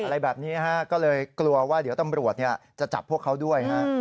อะไรแบบนี้ฮะก็เลยกลัวว่าเดี๋ยวตำรวจจะจับพวกเขาด้วยฮะ